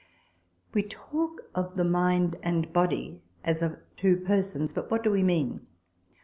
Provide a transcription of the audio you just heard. We talk of the mind and body as of two persons but what do we mean